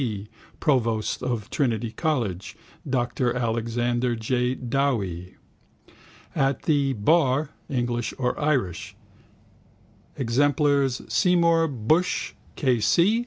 D., provost of Trinity college, Dr Alexander J. Dowie. At the bar, English or Irish: exemplars, Seymour Bushe, K.